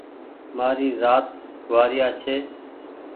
مآري زآت گوآريآ ڇي